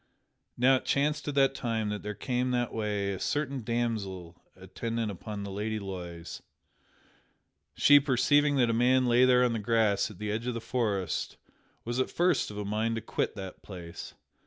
Now it chanced at that time that there came that way a certain damsel attendant upon the Lady Loise. She perceiving that a man lay there on the grass at the edge of the forest was at first of a mind to quit that place.